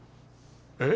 えっ